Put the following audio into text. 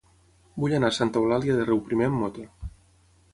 Vull anar a Santa Eulàlia de Riuprimer amb moto.